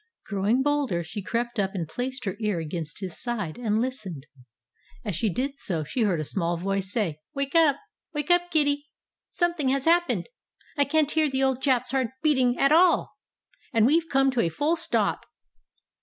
Growing bolder, she crept up and placed her ear against his side, and listened. As she did so she heard a small voice say, "Wake up! Wake up, Kiddi! Something has happened! I can't hear the old chap's heart beating at all! And we've come to a full stop!"